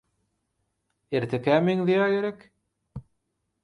Ertekä meňzeýär gerek?